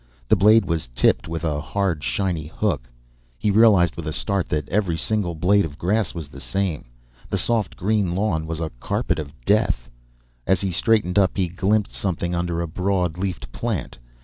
The blade was tipped with a hard, shiny hook. He realized with a start that every single blade of grass was the same. The soft green lawn was a carpet of death. As he straightened up he glimpsed something under a broad leafed plant.